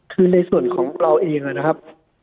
คือในส่วนของเราเองนะครับ